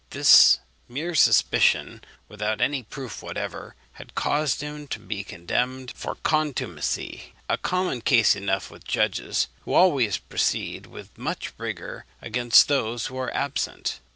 This mere suspicion, without any proof whatever, had caused him to be condemned for contumacy; a common case enough with judges, who always proceed with much rigour against those who are absent.